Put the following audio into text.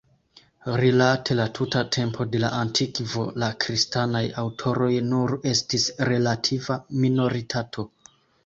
Rilate la tuta tempo de la antikvo la kristanaj aŭtoroj nur estis relativa minoritato.